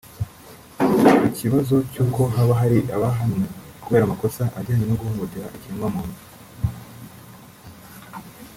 Ku kibazo cy’uko haba hari abahanwe kubera amakosa ajyanye no guhohotera ikiremwamuntu